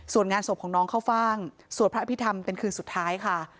ส่วนงานศพของน้องเข้าฟ่างสวดพระอภิษฐรรมเป็นคืนสุดท้ายค่ะ